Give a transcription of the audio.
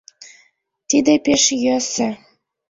— Тиде пеш йӧсӧ!